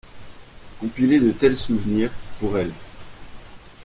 Compiler de tels souvenirs, pour elle…